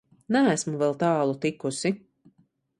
Neesmu vēl tālu tikusi.